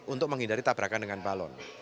untuk menghindari tabrakan dengan balon